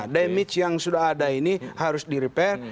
damage yang sudah ada ini harus di repair